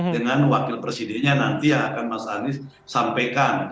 dengan wakil presidennya nanti yang akan mas anies sampaikan